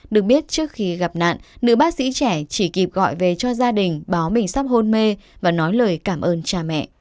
được biết trước khi gặp nạn nữ bác sĩ trẻ chỉ kịp gọi về cho gia đình báo mình sắp hôn mê và nói lời cảm ơn cha mẹ